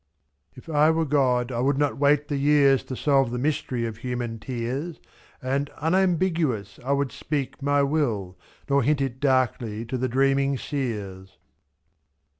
If I were God, I would not wait the years To solve the mystery of human tears; //*. And, unambiguous, I would speak my will. Nor hint it darkly to the dreaming seers.